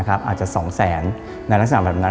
อาจจะ๒๐๐๐๐๐บาทในลักษณะแบบนั้น